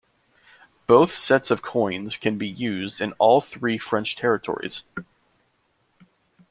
Both sets of coins can be used in all three French territories.